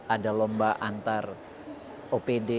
ada lomba antar opd